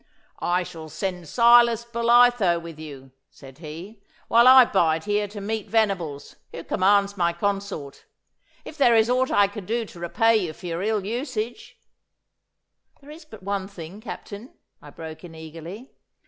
'I shall send Silas Bolitho with you,' said he, 'while I bide here to meet Venables, who commands my consort. If there is aught that I can do to repay you for your ill usage ' 'There is but one thing, Captain,' I broke in eagerly.